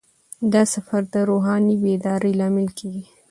دا سفر د روحاني بیدارۍ لامل کیږي.